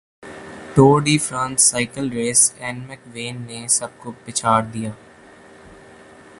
Tour de France cycle race اینمک وین نے سب کو پچھاڑدیا